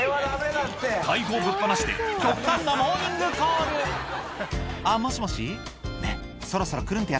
大砲ぶっ放して極端なモーニングコール「あっもしもしねぇそろそろクルンってやって」